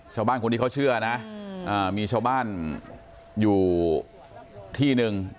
ชาวบ้านคนนี้เขาเชื่อนะมีชาวบ้านอยู่ที่หนึ่ง